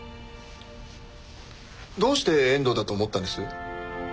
どうして遠藤だと思ったんです？